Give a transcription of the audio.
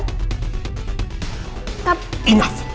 daddy gak pernah ngajarin kamu terkasar sama orang tua